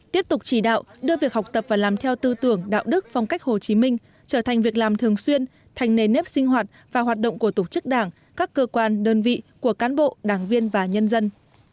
tiếp tục chỉ đạo đưa việc học tập và làm theo tư tưởng đạo đức phong cách hồ chí minh trở thành việc làm thường xuyên thành nề nếp sinh hoạt và hoạt động của tổ chức đảng các cơ quan đơn vị của cán bộ đảng viên và nhân dân